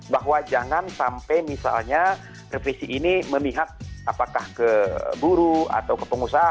bahwa jangan sampai misalnya revisi ini memihak apakah ke buru atau ke pengusaha